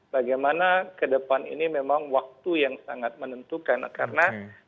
bagaimana ke depan ini memang waktu yang sangat menentukan karena